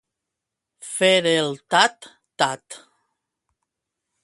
Fer el tat-tat.